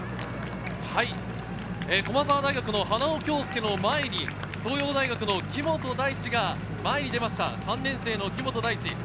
駒澤大学の花尾恭輔の前に東洋大学の木本大地が前に出ました、木本大地。